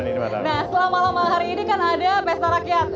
nah setelah malam hari ini kan ada pesta rakyat